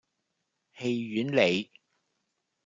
戲院里